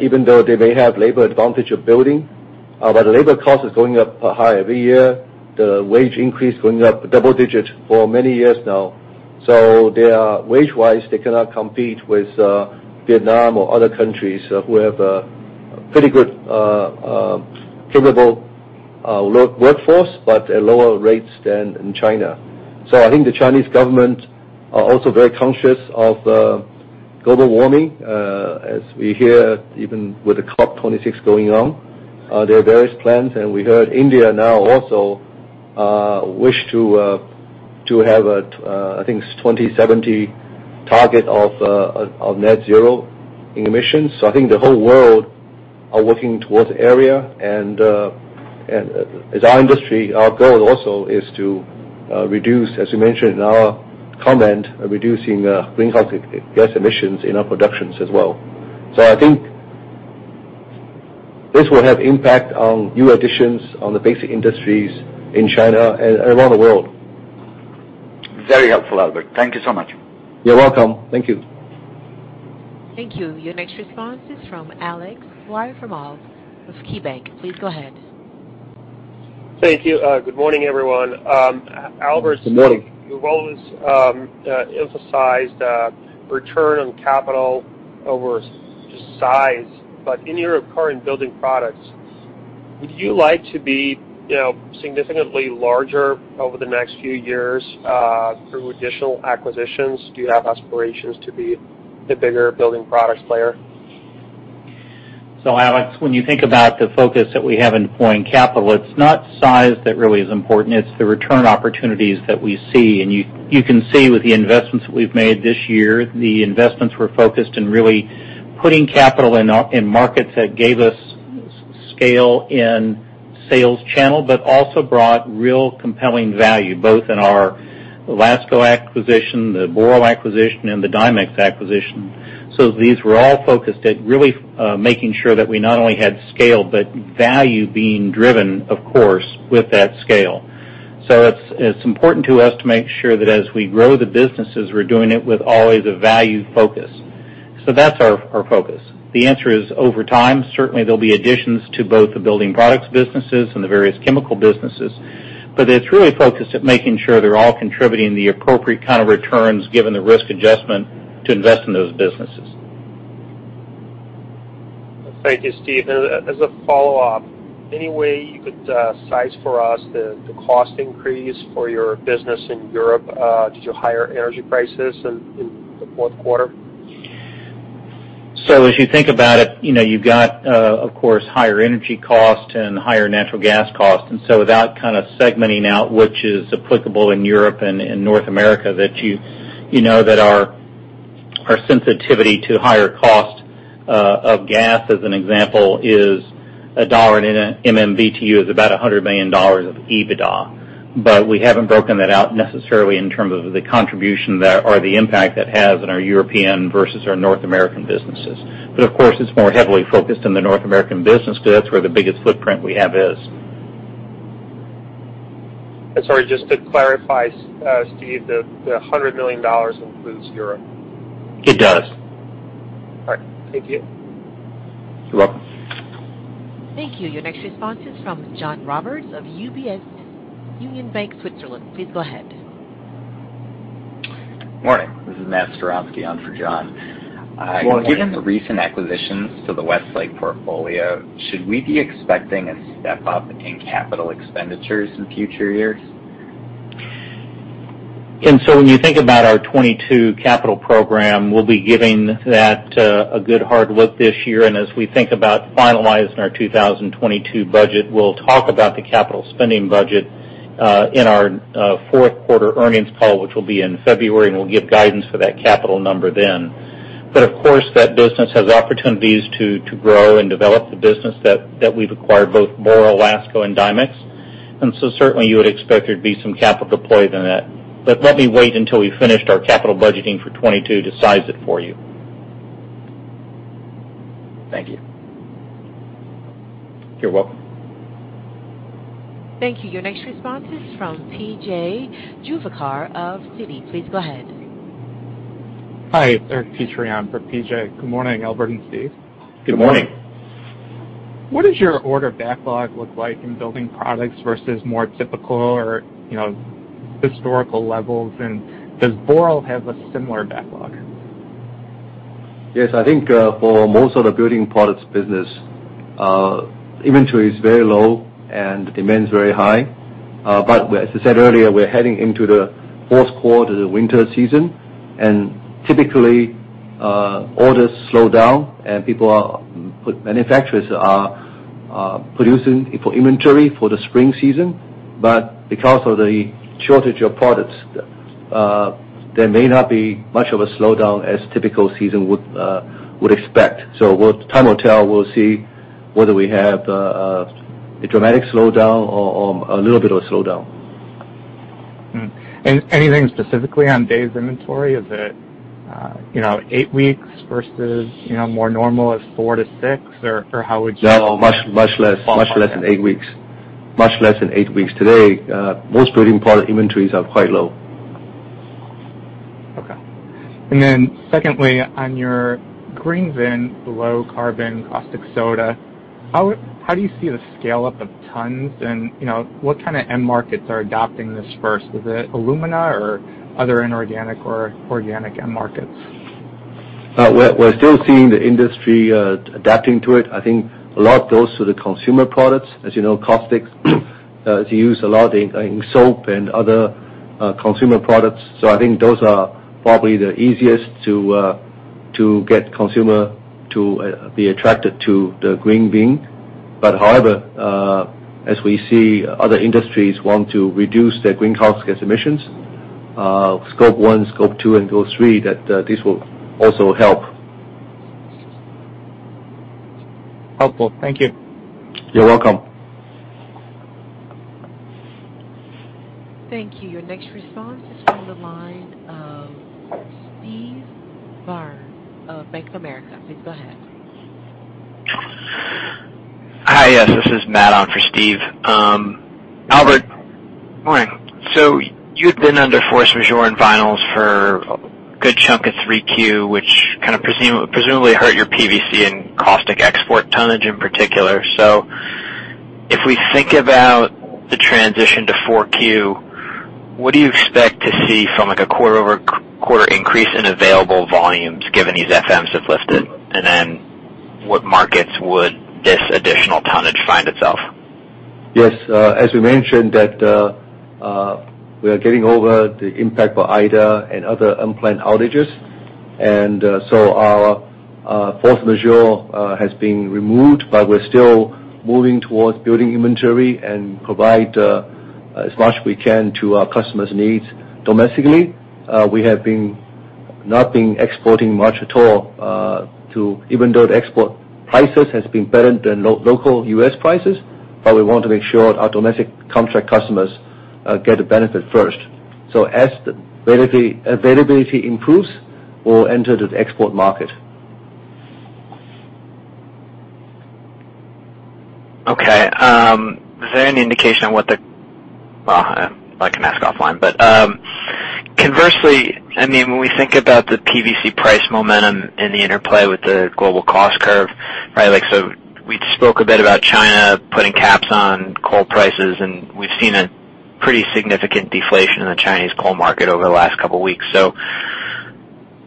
even though they may have labor advantage of building. But the labor cost is going up higher every year. The wage increase going up double-digit for many years now. They are wage-wise they cannot compete with Vietnam or other countries who have pretty good favorable workforce but at lower rates than in China. I think the Chinese government are also very conscious of global warming. As we hear, even with the COP26 going on, there are various plans, and we heard India now also wish to have a, I think it's 2070 target of net zero emissions. I think the whole world are working towards the era. As our industry, our goal also is to reduce, as you mentioned in our comment, greenhouse gas emissions in our productions as well. I think this will have impact on new additions on the basic industries in China and around the world. Very helpful, Albert. Thank you so much. You're welcome. Thank you. Thank you. Your next response is from Aleksey Yefremov from KeyBanc Capital Markets. Please go ahead. Thank you. Good morning everyone. Albert- Good morning. You've always emphasized return on capital over just size. In your current building products, would you like to be, you know, significantly larger over the next few years through additional acquisitions? Do you have aspirations to be the bigger building products player? Alex, when you think about the focus that we have in deploying capital, it's not size that really is important, it's the return opportunities that we see. You can see with the investments that we've made this year, the investments were focused in really putting capital in markets that gave us scale in sales channel, but also brought real compelling value, both in our LASCO acquisition, the Boral acquisition, and the Dimex acquisition. These were all focused at really making sure that we not only had scale, but value being driven, of course, with that scale. It's important to us to make sure that as we grow the businesses, we're doing it with always a value focus. That's our focus. The answer is, over time, certainly there'll be additions to both the building products businesses and the various chemical businesses. It's really focused at making sure they're all contributing the appropriate kind of returns, given the risk adjustment to invest in those businesses. Thank you, Steve. As a follow-up, any way you could size for us the cost increase for your business in Europe due to higher energy prices in the Q4? As you think about it, you know, you've got, of course, higher energy costs and higher natural gas costs. Without kind of segmenting out which is applicable in Europe and in North America, that you know that our sensitivity to higher cost of gas, as an example, is $1 in an MMBtu is about $100 million of EBITDA. We haven't broken that out necessarily in terms of the contribution that, or the impact that has on our European versus our North American businesses. Of course, it's more heavily focused in the North American business, so that's where the biggest footprint we have is. Sorry, just to clarify, Steve, the $100 million includes Europe? It does. All right. Thank you. You're welcome. Thank you. Your next response is from John Roberts of UBS Union Bank, Switzerland. Please go ahead. Morning. This is Matthew Skerry on for John. Morning. Given the recent acquisitions to the Westlake portfolio, should we be expecting a step up in capital expenditures in future years? When you think about our 2022 capital program, we'll be giving that a good hard look this year. As we think about finalizing our 2022 budget, we'll talk about the capital spending budget in our Q4 earnings call, which will be in February, and we'll give guidance for that capital number then. Of course, that business has opportunities to grow and develop the business that we've acquired, both Boral, LASCO and Dimex. Certainly you would expect there'd be some capital deployed in that. Let me wait until we've finished our capital budgeting for 2022 to size it for you. Thank you. You're welcome. Thank you. Your next response is from P.J. Juvekar of Citi. Please go ahead. Hi, Eric Petrie for P.J. Good morning, Albert and Steve. Good morning. What does your order backlog look like in building products versus more typical or, you know, historical levels? And does Boral have a similar backlog? Yes. I think, for most of the building products business, inventory is very low and demand is very high. As I said earlier, we're heading into the Q4, the winter season, and typically, orders slow down and manufacturers are producing for inventory for the spring season. Because of the shortage of products, there may not be much of a slowdown as typical season would expect. Time will tell. We'll see whether we have a dramatic slowdown or a little bit of a slowdown. Anything specifically on days inventory? Is it, you know, eight weeks versus, you know, more normal is 4-6? No, much less than eight weeks. Today, most building product inventories are quite low. Okay. Then secondly, on your GreenVin, low carbon caustic soda, how do you see the scale up of tons? You know, what kind of end markets are adopting this first? Is it alumina or other inorganic or organic end markets? We're still seeing the industry adapting to it. I think a lot goes to the consumer products. As you know, caustics is used a lot in soap and other consumer products. I think those are probably the easiest to get consumer to be attracted to the GreenVin. As we see other industries want to reduce their greenhouse gas emissions, Scope 1, Scope 2, and Scope 3, that this will also help. Helpful. Thank you. You're welcome. Thank you. Your next response is from the line of Steve Byrne of Bank of America. Please go ahead. Hi, yes. This is Matt on for Steve. Albert, morning. You've been under force majeure in vinyls for a good chunk of 3Q, which kind of presumably hurt your PVC and caustic export tonnage in particular. If we think about the transition to 4Q, what do you expect to see from, like, a quarter-over-quarter increase in available volumes given these FMs have lifted? And then what markets would this additional tonnage find itself? Yes. As we mentioned that we are getting over the impact for Ida and other unplanned outages. Our force majeure has been removed, but we're still moving towards building inventory and provide as much as we can to our customers' needs domestically. We have not been exporting much at all even though the export prices has been better than local U.S. prices, but we want to make sure our domestic contract customers get the benefit first. As the availability improves, we'll enter the export market. Okay. Is there any indication? Well, I can ask offline. Conversely, I mean, when we think about the PVC price momentum and the interplay with the global cost curve, right? Like, we spoke a bit about China putting caps on coal prices, and we've seen a pretty significant deflation in the Chinese coal market over the last couple weeks.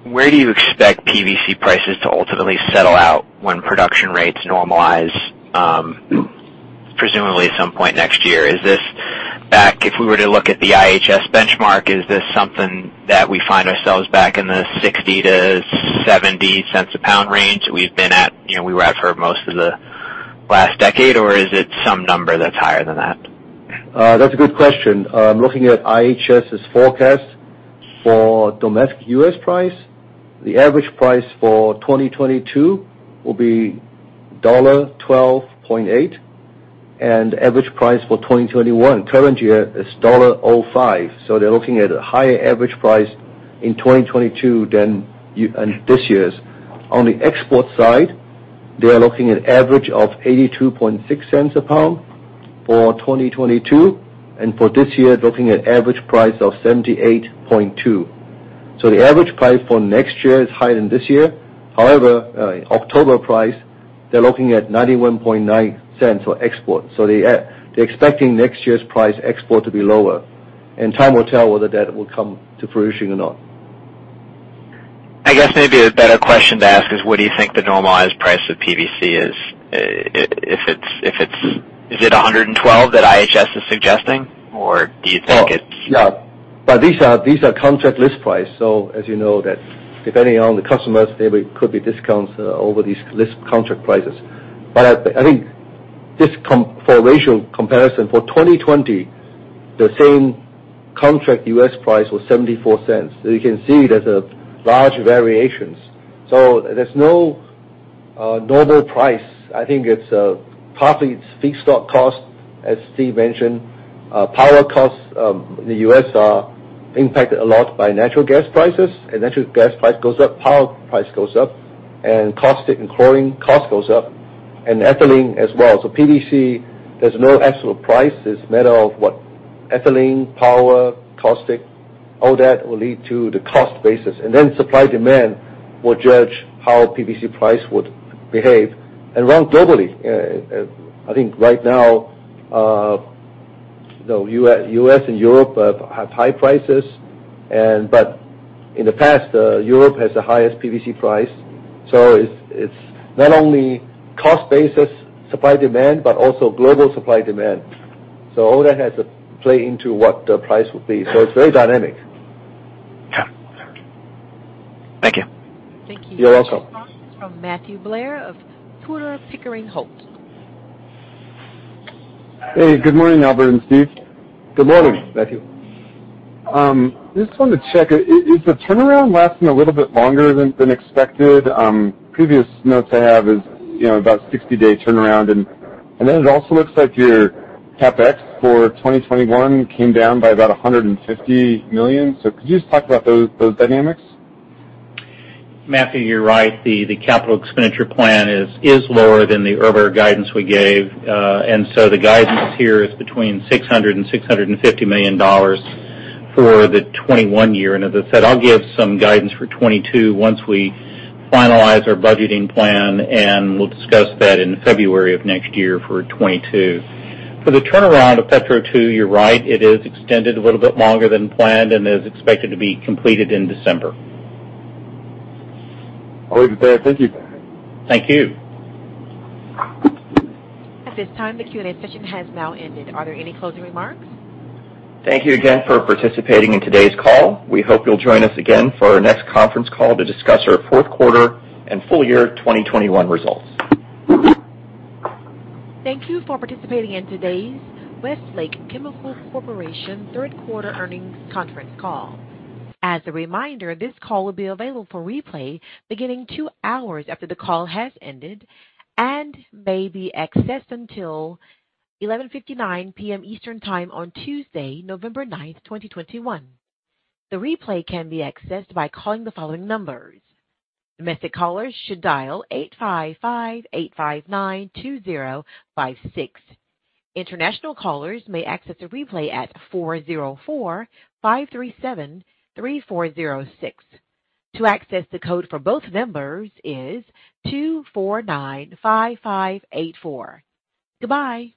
Where do you expect PVC prices to ultimately settle out when production rates normalize, presumably at some point next year? If we were to look at the IHS benchmark, is this something that we find ourselves back in the $0.60-$0.70 a pound range we've been at, you know, we were at for most of the last decade? Or is it some number that's higher than that? That's a good question. Looking at IHS's forecast for domestic U.S. price, the average price for 2022 will be $12.8, and average price for 2021, current year, is $5. They're looking at a higher average price in 2022 than this year's. On the export side, they are looking at average of $0.826 a pound for 2022, and for this year, looking at average price of $0.782. The average price for next year is higher than this year. However, the October price, they're looking at $0.919 for export. They're expecting next year's export price to be lower. Time will tell whether that will come to fruition or not. I guess maybe a better question to ask is, what do you think the normalized price of PVC is? Is it 112 that IHS is suggesting? Or do you think it's Yeah. These are contract list price. As you know that depending on the customers, there could be discounts over these list contract prices. I think, for a ratio comparison, for 2020, the same contract U.S. price was $0.74. You can see there's large variations. There's no normal price. I think it's partly it's feedstock costs, as Steve mentioned. Power costs in the U.S. are impacted a lot by natural gas prices. Natural gas price goes up, power price goes up, and caustic and chlorine cost goes up, and ethylene as well. PVC, there's no absolute price. It's matter of what ethylene, power, caustic, all that will lead to the cost basis. Supply-demand will judge how PVC price would behave. Around globally, I think right now, the U.S. and Europe have high prices, but in the past, Europe has the highest PVC price. It's not only cost basis, supply-demand, but also global supply-demand. All that has to play into what the price will be. It's very dynamic. Yeah. Thank you. Thank you. You're welcome. From Matthew Blair of Tudor, Pickering, Holt & Co. Hey, good morning, Albert and Steve. Good morning, Matthew. Just wanted to check, is the turnaround lasting a little bit longer than expected? Previous notes I have is, you know, about 60-day turnaround. It also looks like your CapEx for 2021 came down by about $150 million. Could you just talk about those dynamics? Matthew, you're right. The capital expenditure plan is lower than the earlier guidance we gave. The guidance here is between $600 million and $650 million for the 2021 year. As I said, I'll give some guidance for 2022 once we finalize our budgeting plan, and we'll discuss that in February of next year for 2022. For the turnaround of Petro 2, you're right, it is extended a little bit longer than planned and is expected to be completed in December. I'll leave it there. Thank you. Thank you. At this time, the Q&A session has now ended. Are there any closing remarks? Thank you again for participating in today's call. We hope you'll join us again for our next conference call to discuss our Q4 and full year 2021 results. Thank you for participating in today's Westlake Chemical Corporation Q3 earnings conference call. As a reminder, this call will be available for replay beginning two hours after the call has ended and may be accessed until 11:59 P.M. Eastern Time on Tuesday, November 9, 2021. The replay can be accessed by calling the following numbers. Domestic callers should dial 855-859-2056. International callers may access the replay at 404-537-3406. The access code for both numbers is 2495584. Goodbye.